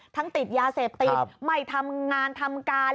ติดยาเสพติดไม่ทำงานทำการ